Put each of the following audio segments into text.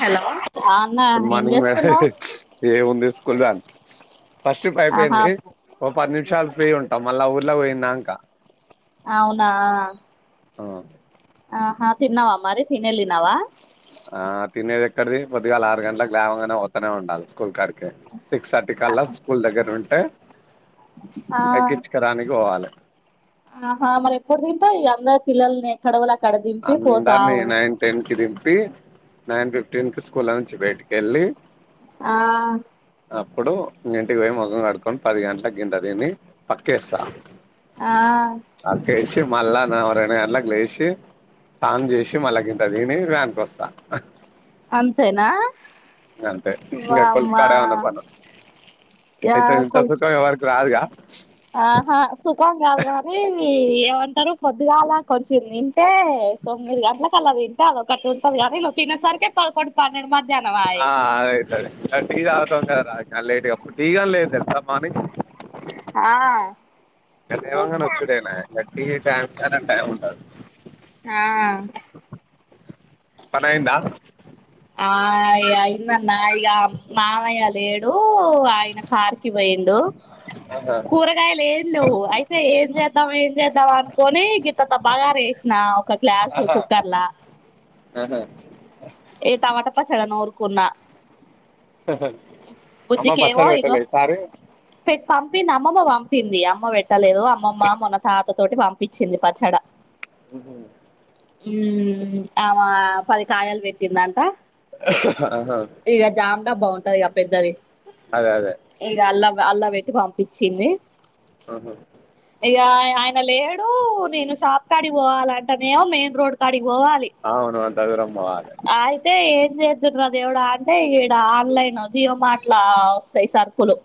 hello అన్న good ఏం morning madam చేస్తున్నావు ఏం ఉంది కుల్వాన్ ఫస్ట్ ఆహా అయిపోయింది ఓ పది నిమిషాలు ఫ్రీ ఉంటాం మళ్ళా ఊర్లో పోయిందంక అవునా ఆ ఆహా తిన్నావా మరి తినేలిినవా ఆ తినేది ఎక్కడిది పొద్దుగాల ఆరు గంటలకు లేవగానే వస్తనే ఉండాలి స్కూల్ కడికే సిక్స్ థర్టీ కల్లా స్కూల్ దగ్గర ఉంటే ఆ ఎక్కించకరానికి పోవాలి ఆహా మరి ఎప్పుడు తింటావ్ అందరు పిల్లలని కడవలా అందరిని నైన్ టెన్ కి దిం పి నైన్ ఫిఫ్టీన్ కి స్కూల్ నుంచి బయటికిె వెళ్ళి ఆ అప్పుడు ఇంటికి పోయి ముఖం కడుకొని పది గంటల గింట దీన్ని పక్కేస్తా ఆ చి మళ్ల్ళా రెండు గంటలకు లేసి స్నానం చేసి మళ్ళ గింత తిని వ్యానికి వస్తా అంతేనా ఇంకా అంతే కడుపు వామ్మా కాడ ఏమన్నా పని యా అయితే ఇంత కొల్ సుఖం ఎవ్వరికీ రాదుగా ఆహా సుఖం కాదు కాని ఏమంటారు పొద్దుగాలా కొంచచ్చంది తింటే తొమ్మిది గంటలక అలా తింటే అదొ ఒకటి ఉంటుది కానీ నువ్ తన్నసరికి పదకొం పన్నెండు మంది ఆ అదైతా టీ తాగుదాం కదరా లేట్గా అప్పుడు తీగని లేదు తెలుసా మార్నింగ్ ఆ అదేవంగా న వచ్చుడేనా గట్టి టై టైమ్ ఉంటుంది ఆా పనైందా ఆ ఇయిందన్నాఇగ ఈ మామయ్య లేడు ఆయిన కారు కి పోయిండు ఆహా కూరగాయలు ఏం నువ్వు అయితే ఏం చేద్దాం ఏం చేద్దాం అనుకోొని గిత్త త బగాారేసి నా ఒక క్లాస్ కుక్కర్లా ఆహా ఏ టమాట పచ్చడి నూరుకున్న అమ్మా పచ్చలు ఇగో వెట్టలే ఈ సారి పెట్ పంపింది అమ్మమ్మ పంపింది అమ్మ పెట్టలేదు అమ్మమ్మ మొన్న తాత తోటి పంపించింది పచ్చడా ఉహూ హ్మ్మ్ ఆమ పది కాయలు పెట్టిందంట ఆహా ఇకా బాగుంటది ఇక పెద్దది అదే అదే ఇక అల్లా అల్లా పెట్టి పంపించింది ఆహా అయ్యా ఆయన లేడు నేను షాప్ కాడి పోవాలంటే నేమో మెయిన్ రోడ్ కాడికి పోవాలి అవును అంత దూరం పోవాలే అయితే ఏ ఏం చేద్దును రా దేవుడా అంటే ఈడ ఆన్లైన్ జియో మార్ట్ లో వస్తాయి సరుకులు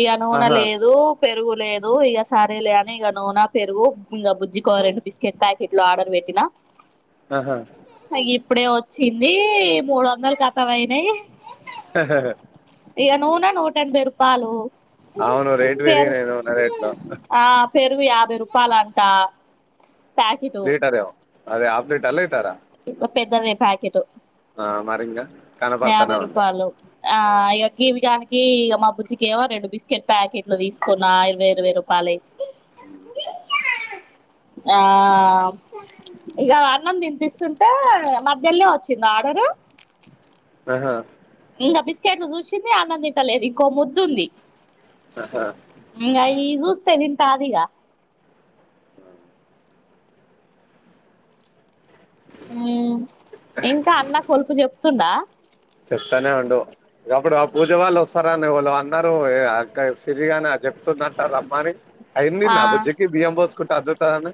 ఇకనూనె ఆహా లేదు పెరుగు లేదు ఇక సరేలే అని ఇక నూనె పెరుగు ఇంక బుజ్జి కో రెండు బిస్కెట్ ప్యాకెట్లు ఆర్డర్ పెట్ టీనా ఆహా ఇప్పుడే వచ్చింది మూడు వందలు కతం అయినాయి హహా ఏ నూనె నూట ఎనభై రూపాలు అవును రేటు పెరుగు పెరిగినయి నూనె రేట్లు ఆ పెరుగు యాభై రూపాయలు అంట లీటర్ అదే హాఫ్ లీటర్ లీటరా పెద్దదే ప్యాకెట్ ఆ మరి ఇంగ కనపడుతానే యాభై ఉంటాయ్ రూపాయలు ఆ ఇక గీవిగానికి ఇక మా బుజ్జికి ఏమో రెండు బిస్కెట్ ప్యాకెట్లు తీసుకున్న ఇరవై ఇరవై రూపాయలు [inaudible] హ ఆ ఇక అన్నం తినిపిస్తా చూస్తుంటే మధ్యల్లో వచ్చిందా ఆడరు ఆహా ఇంకా బిస్కెట్లు చూసింది అన్నం తింటలేదు ఇంకో ముద్దుంది ఆహా ఇంగ అయి చూస్త తింటాదీగా హ్మ్మ్ ఇంకా అన్న కొలుపు చెప్తుండా చెప్తానే ఉండు ఇకప్పుడు ఆ పూజ వాళ్ళు వస్తారాని వాళ్ళు అన్నారు అక్క సిరిగానే చెప్తున్నట్ట రమ్మని అయ్యింది ఆ నా బుజ్జికి బియ్యం పోసుకుంటే అద్దుతానని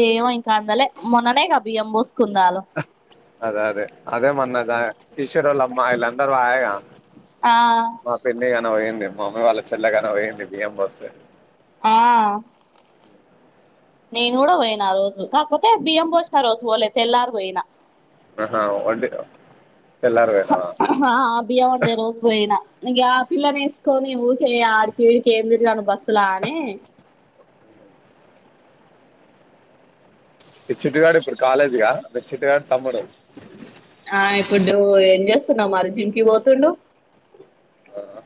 ఏమో ఇంకా అందలే మొన్ననే క బియ్యం పోసుకుందాలు అదే అదే అదే మన్నదా కిషోర్ వాళ్ళ అమ్మ ఇలా అందరు ఆగ ఆ పోయింది మా మమ్మీ వాళ్ళ చెల్లగానే పోయింది బియ్యం బస్తంది ఆ నేను కూడా పోయినా రోజు కాకపోతే బియ్యం పోసిన రోజు పోలే తెల్లారు పోయిన ఆహా అంటే ఆ బియ్యం అమ్మేరోజు పోయినా ఇంగ ఆ పిల్లని వేసుకొని ఊరికే ఆడికిడికి ఎందుకులే బస్సులా అనే ఈ చిట్టుగాడు ఇప్పుడు కాలేజీ గా అ చిట్టుగాడు తమ్ముడు ఆ ఇప్పుడు ఏం చేస్తున్నాం మరి జిమ్ కి పోతుండు ఆ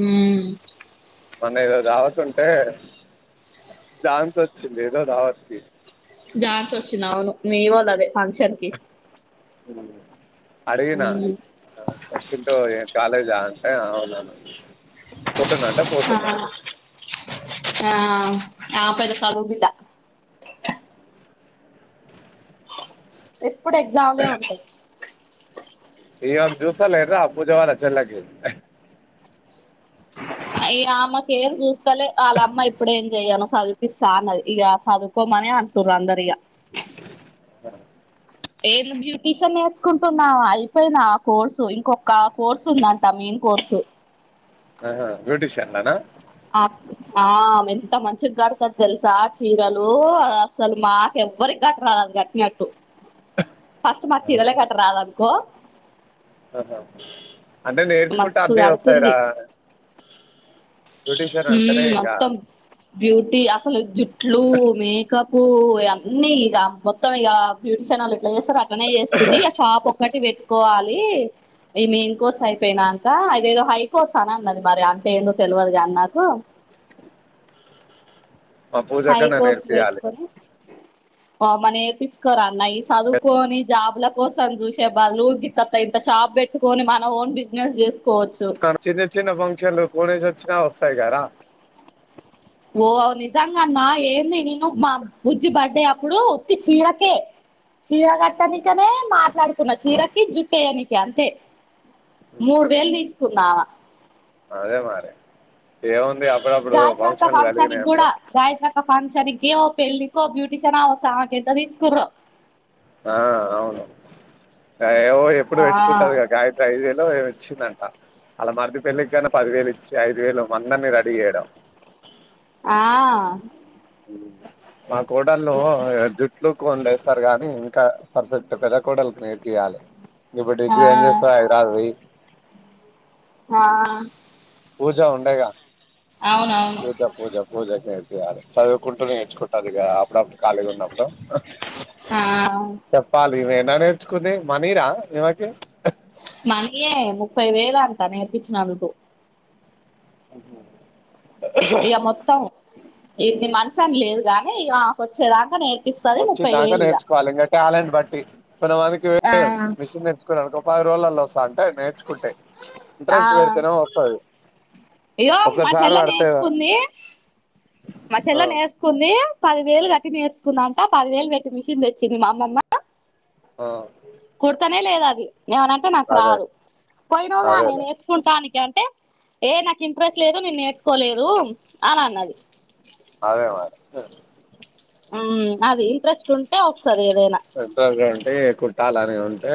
హ్మ్మ్ మొన్న ఏదో దావత్ ఉంటే ఝాన్సి వచ్చింది ఏదో దావత్కి ఝాన్సి వచ్చింది అవును మీ వాళ అదే ఫంక్షన్ కి అడిగిన వచ్చింట కాలేజా ఆ అవునవును పోతున్నా అంట పోతున్నా ఆ ఆ బిడ్డ చదువు బిడ్డ ఎప్పుడు ఎగ్జామ్లే ఉంటాదీ ఇవగ్ చూస్తాలేదా ఆ పూజ వాలా చల్కి ఈ అమ్మకి ఏం చూస్తాలే వాళ్ళ అమ్మ ఇప్పుడేం చెయ్యను చదిపిస్తా అన్నది ఇక చదుకోమని అంట్ర అందరు ఇక ఆ ఏద బ్యూటీషియన్ నేర్చుకుంటున్న అయిపోయినా కోర్సు ఇంకొక కోర్సు ఉందంట మీ కోర్స్ ఆహ బ్యూటిషియన్లోన అమె ఎంత మంచి కడుతది తెలుసా చీరలు అస్సలు మాక్ ఎవరి కాటన్ అలకి కట్టినట్టు ఫస్ట్ మాకు చీరలే కట్టి రాదు అనుకో ఆహా అంటే నేర్చుకుంటే మస్తు అన్ని వస్తాయి రా కడుతుంది బ్యూటీషియన్ అంటేనే మ్మ్ ఇంకా మొత్తం బ్యూటీ అసలు జుట్లు మేకప్ పు అన్నీ ఇక మొత్తం ఇక బ్యూటీషన్ వాళ్ళు ఇట్లా చేస్తారు అట్నే చేస్తుంది ఇ షాప్ ఒకటి పెట్టుకోవాలి ఈ మేన్ కోర్స్ అయిపోయినాకా అదేదో హై కోర్స్ అని అన్నది మరి అంతే ఏందో తెలవదు నాకు కు మా హై పూజకన్నా కోర్స్ వెయిట్ నేర్పియాలి కూడా మని నేర్పించుకోరా అన్నయి చదువుకొని జాబ్లు కోసం చూసే బాలు ఇ ఇంత షాప్ పెట్టుకొని మన ఓన్ బిజినెస్ చేస్త కానీ చిన్న చిన్న ఫంక్షన్లు కొనేసి వచ్చినా వస్తాయి గారా ఓ నిజంగాఅన్న ఏంది నిను మా బుజ్జి బర్డే అప్పుడు ఒత్తి చీరకే చీర కట్టనికనే మాట్లాడుకున్నా చీరకి జుట్టేయనికి అంతే మూడు వేలు తీసుకుంది అమె అదే మరీ ఏ గాయత్రి అక్క ఫంక్షన్ కూడా గాయత్రి అక్క ఫంక్షన్ కీ పెళ్లికో బ్యూటిషిన్ అవసరమా మాకైంత తీసుకుర్ర ఆ అవును ఏమో ఎప్పుడు పెట్టుకుంటారు ఆ కదా గాయత్రి ఐదేలో ఏమి ఇచ్చిందంట అలా మరది పెళ్లికి కన్నా పది వేలు ఇచ్చి ఐదు వేలు అందరిని రెడీ చేయడం ఆ మా కోడళ్లలో లుక్ వండేస్తారు కానీ ఇంకా పర్ఫెక్ట్ పెద్ద కోడలకి నేర్పియ్యాలి ఇప్పుడు ఆ డిగ్రీ ఏం చేస్తావ్ అందర్వి ఆ పూజ ఉండేగా అవునవును పూజ పూజ పూజ క ఇ చదువుకుంటూనే నేర్చుకుంటుది ఇక అప్పుడప్పుడు ఖాళీగా ఉన్నప్పుడు ఆ చెప్పాలి ఇవేన్న నేర్చుకుని మనీనా ఈమెకి మనీయే ముప్పై వేలు అంట నేర్పించినందుకు ఆహ ఇక మొత్తం ఇది నీ మనస అని లేదు గాని ఇక వచ్చేదాక నే వచ్చి దాకా నేర్చుకోవాలి ఇంకా టాలెంట్ బట్టి మనం మనకి ఆ మిషన్ నేర్చుకున్నానుకో ప్పైదు రోజలల్లో వస్తా అంటే నేర్చుకుంటే ఇంట్రెస్ట్ పెడితేనే వస్తాది అయ్యో మా చెెల్ల నేర్చుకుంది మా ఆ చెెల్ల నేర్చుకుంది పది వేలు కట్టి నేర్చుకుందట పదివేలు పెట్టి మిషిన్ తెచ్చింది మా అమ్మమ్మ ఆ కుర్తనే లేదు అది ఏమనంటే నాకు అదే రాదు పోయినవ్గా నే అదేలే నేర్చుకుంటానికి అ ఏ నాకు ఇంట్రెస్ట్ లేదు నేను నేర్చుకోలేదు అని అన్నది సరే ఉమ్ అది ఇంటంట్రెస్ట్ ఉంటే వస్తది ఏదైనా ఉంటదిగంటె కుట్టాలని ఉంటే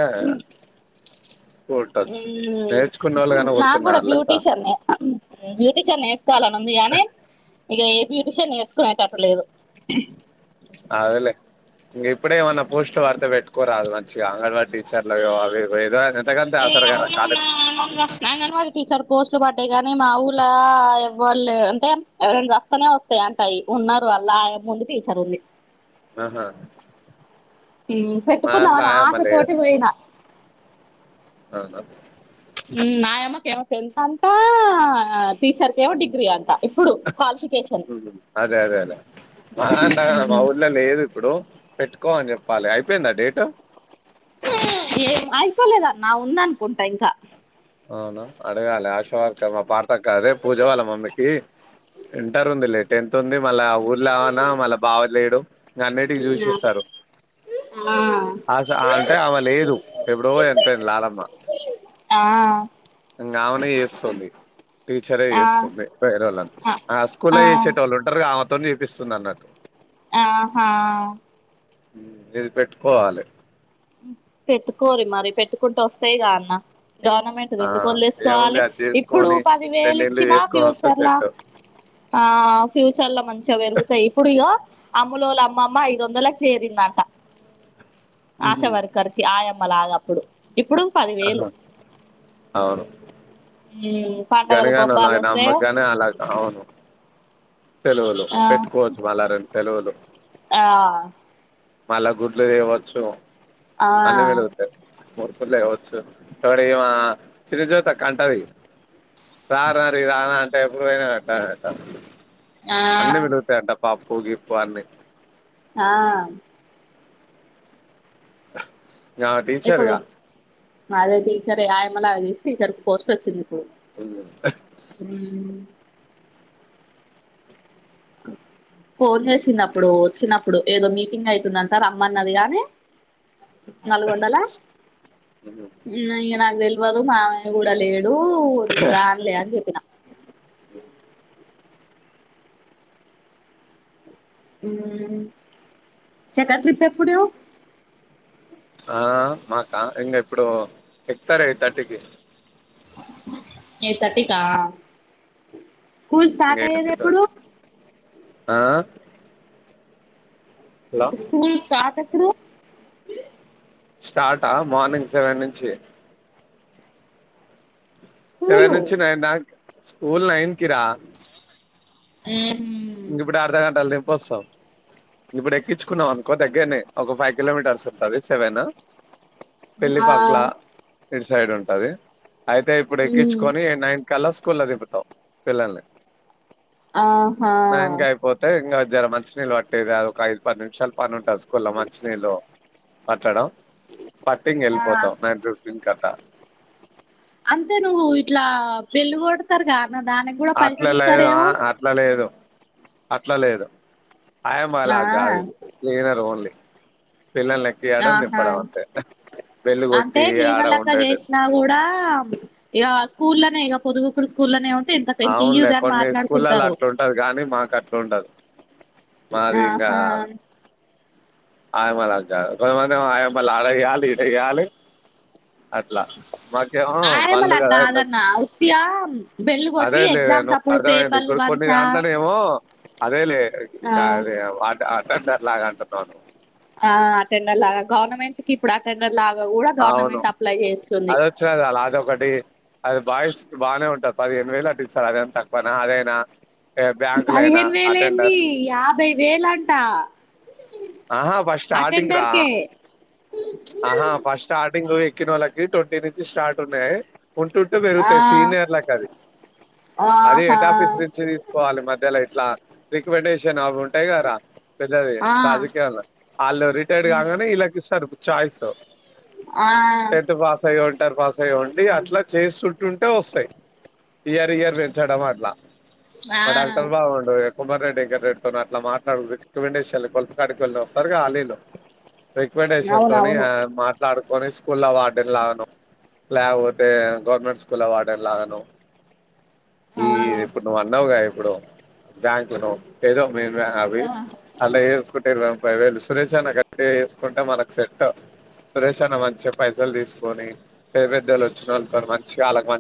కుట్టొచ్చు ఉమ్ నేర్చుకున్నోళ్ళు గాని నా కూడా కుడుతున్నారు లెక్క బ్యూటీషియన్ని బ్యూటీషియన్ వేసుకోవాలని ఉంది గానే ఇగ ఏ బ్యూటిషియన్ నేర్సుకునేటట్టులేదు అదెలె ఇంగ ఇప్పుడే ఏమన్నా పోస్ట్ వడితే పెట్టుకోరాదు మంచిగా ఆంగడవాడి టీచర్లు అవి ఏదో ఎంతకంతే ఏ ఆసరా కదా కాలేదు అంగన్వాడి టీచర్ పోస్ట్లు పడ్డే కానీ మా ఊలా వాళ్ళు అంటే ఎవరైనా రాస్తేనే వస్తాయి అంటయి ఉన్నారు అల్లా ముందు టీచర్ ఉంది ఆహా మా దాంట్ల పెట్టుకుందామని ఆయమ్మ ఆశతోటి పోయినా అవున ఉ నాయమ్మకేమో తెలుసంట టీచర్ కేమో డిగ్రీ అంట ఇప్పుడు క్వాలిఫికేషన్ ఉ అదే అదే అదే మా నాన్న మా ఊళ్లో లేదు ఇప్పుడు పెట్టుకో అని చెప్పాలి అయిపోయిందా డేట్ ఏం అయిపోలేదా అన్న ఉందనుకుంటా ఇంకా అవున అడగాలి అశోక్ మా పార్త కాదే పూజ వాళ్ళ మమ్మీకి ఇంటర్ ఉంది లే టెన్త్ ఉంది మళ్ళా ఊర్లు అవనా మళ్ళా బావలేడు ఇంగ అన్నిటికి చూసిస్తారు అస అంటే అమ లేదు ఎప్పుడో చనిపోయింది లాలమ్మ ఆ ఇంగ ఆమెనే చేస్తుంది టీచరే ఆ చేస్తుంది పేరోళ్ళని ఆ స్కూలే చేసేటోళ్ళు ఉంటారు ఆమెతో చేపిస్తుంది అన్నట్టు ఆహా ఇది పెట్టుకోవాలి పెట్టుకోరి మరి పెట్టుకుంటూ వస్తాయి గా అన్న గవర్నమెంట్ది ఆ ఎందుకు ఏముంది వలేసుకోవాలి అది ఇప్పుడు చేసుకొని పది వేలు రెండేళ్ళు ఇచ్చినా చేసుకొని వస్తే ఫ్యూచర్లా సెట్ ఆ ఫ్యూచర్ లో మంచిగా పెరుగుతాయి ఇప్పుడు ఇగ అమ్ములు లొల్ల అమ్మమ్మ ఐదు వందలకు చేరిందట ఉ హు ఆయమ్మ లాగాప్పుడు ఇప్పుడు పదివేలు ఆహా మ్మ్ పండగలు గనిగాని బొబ్బాలు వాళ్ళాన వస్తే అమ్మకుగాని అలా అవును సెలవులు ఆ పెట్టుకోవచ్చు మల్ల రెండు సెలవులు ఆ మళ్ళా గుడ్లు తీయవచ్చు ఆ అన్నీ మిలుగుతాయి కుల్ లేవచ్చు తోడిగిమ సిరి జ్యోతక్క కంటది రారారిరు రానా అంటే ఎప్పుడు అయినా పెట్టట్ట ఆ అన్నీ మిలుగుతాయి అంట పప్పు గిప్పు అన్ని ఆ ఆమె ఇప్పుడు టీచర్గా అదే టీచర్ ఆయమల చేస్తే టీచర్ పోస్ట్ వచ్చింది హ్మ్ అ ఫోన్ చేసిందిప్పుడు వచ్చినప్పుడు ఏదో మీటింగ్ అయితుందంట రమ్మన్నది గానీ నల్గొండలా ఇక నాకు తెల్వదు మా అయన కూడా లేడు నేను రానులే అని చెప్పినా ఉ ఉమ్ చక్క ట్రిప్ ఎప్పుడు ఆ మాకా ఇంకా ఇప్పుడు ఎకుతారు ఎయిట్ థర్టీకి ఎట్ తర్టీకా స్కూల్ ఇంగ స్టార్ట్ ఎయిట్ అయ్యేది ఎప్పుడు అయితుంది ఆ హలో స్కూల్ స్టార్ట్ ఎప్పుడు స్టార్టా మార్నింగ్ సెవెన్ నుంచి సెవెన్ స్కూలు నుంచి నైన్ ద స్కూలు నైన్కీ ర హ్మ్మ్ పోస్తావ్ ఇప్పుడు ఎక్కించుకున్నావ్ అనుకో దగ్గరనే ఒక ఫైవ్ కిలోమీటర్స్ ఉంటది సెవెను పెళ్లి ఆ పక్కల ఇటు సైడ్ ఉంటది అయితే ఇప్పుడు ఉమ్ ఎక్కించుకొని నైన్ కలా స్కూల దింపుతాం పిల్లల్ని ఆహా నైన్కీ అయిపోతే ఇంకా జర మంచినీళ్ళు పట్టేది అది ఒక ఐదు పది నిమిషాలు పని ఉంటంది స్కూల్లో మంచినీళ్ళు పట్టడం పట్టంగ్ ఆ వెళ్ళిపోతాం నైన్ ఫిఫటీన్ కట్ట అంతే నువ్వు ఇట్లా బెళ్ళు కొడతారుగా అన్న దానికి కూడా అట్ల పైసలు లేదు ఆ ఇస్తారేమో అట్లా లేదు అట్లా లేడు ఐయామ్ ఆ ఆలా కాదు క్లీనర్ ఓన్లీ పిల్లలకి యడం ఆహా దింపడమంతే అంటే క్లీనర్ లెక్క చేసినా కూడా ఇక స్కూలనే ఇగ పొదుగుకులు స్కూలనేను అవునులే కొన్ని స్కూళ్ళలో అట్లుంటది కానీ మాకు అట్లుండదు మారిందా ఆహా ఆయమ అలాకాదు ఆయమా ఆడయాల ఇడయాల అట్లా మాకేమో పంలు ఆయమ్మలా కదా కాదన్న ఉత్తిగా బెల్లు కొట్టి అదే లేదే ఎగ్జామ్స్ అప్పుడు అర్థమైంది పేపర్లు ఇప్పుడు కొన్ని పంచా దాంట్లోనే ఏమో అదే లే ఆ వాట అటెండర్ లాగా అంటున్నాను అ అటెండర్ లాగా గవర్నమెంట్ కి ఇప్పుడు అ టెండర్ లాగా కూడా అవును గవర్నమెంట్ అప్లై చేస్తుంది అద వచ్చినద అలా అదొకటి అది బాయ్సకు బాగానే ఉంటంది పదిహేను వేలులా స్తార్ అదేంత తక్కువనా అదేనా పదిహేను వేలు ఏంది యాభై వేల అంట ఆహా ఫస్ట్ స్టార్టింగ్ రా అటెండర్కే ఆహా ఫస్ట్ స్టార్టింగ్ ఎక్కినోళ్ళకి ట్వంటీ నుంచి స్టార్ట్ ఉన్నాయి ఉంటుంటే ఆ పెరుగుతాయి సీనియర్లలకు అది అది ఆహా హెడ్ ఆఫీస్ నుంచి తీసుకోవాలి మధ్యలో ఇట్లా రికమెండేషన్ అవి ఉంటాయి కదరా పెద్దది ఆ రాజకీయాల్లో వాళ్ళు రిటైర్డ్ కాగానే ఇలాకి ఇస్తాడు ఛాయస్ ఆ టెన్త్ పాస్ ఐంటారు పాస్ అయిం అ అట్లా చేస్తుంటుంటే వస్తయ్ ఇయర్ ఇయర్ పెంచడం అట్ల ఆ మ డాక్టర్ బాగు [unintelligible] [unintelligible] రికమెండేషన్ తోని అవునవును మాట్లాడుకొని స్కూల్ అ వార్డెన్ లాగనో ల్యపోతే గవర్నమెంట్ స్కూల్ వార్డెను ఈ ఆ ఇప్పుడు నువ్వు అన్నావుగ ఇప్పుడు బ్యాంకు నువ్వు ఏదో మే అవి అలా వేసుకుంటే ఇ ముపై వేలు సురేష్ అను కట్టి వేసుకుంటే మనకు సురేష్ అన్న మంచిగా పైసలు తీసుకొని పెద్ద పెదోల్లు వచ్చిన వాళ్ళుతో మంచిగాళ్కి మంచి